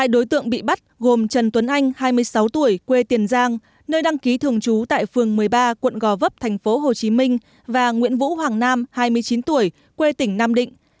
hai đối tượng bị bắt gồm trần tuấn anh hai mươi sáu tuổi quê tiền giang nơi đăng ký thường trú tại phường một mươi ba quận gò vấp thành phố hồ chí minh và nguyễn vũ hoàng nam hai mươi chín tuổi quê tỉnh nam định